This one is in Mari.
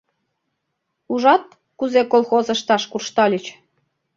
Ужат, кузе колхоз ышташ куржтальыч.